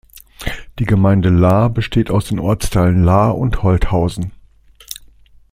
Die Gemeinde Laer besteht aus den Ortsteilen Laer und Holthausen.